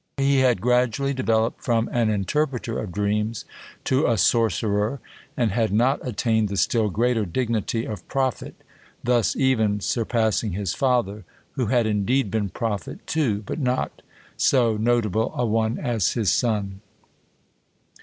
He had gradually developed from an interpreter of dreams to a sorcerer, and had not attained the still greater dignity of prophet, thus even surpassing his father, who had indeed been prophet too, but not so notable a one as his son.